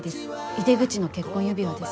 井手口の結婚指輪です。